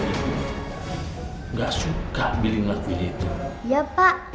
tolong pak tolong kejar pak